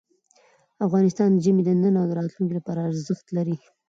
افغانستان کې ژمی د نن او راتلونکي لپاره ارزښت لري.